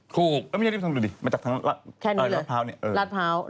ถูกไม่ใช่ลิฟทางดุดมาจากทางราดเภานี่